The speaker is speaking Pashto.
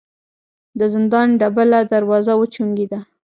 د زندان ډبله دروازه وچونګېده.